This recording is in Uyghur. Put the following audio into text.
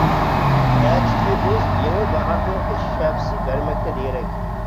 ئەتىكى ئۇز، يېڭى باھاردىن قىش شەپىسى بەرمەكتە دېرەك.